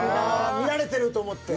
見られてると思って。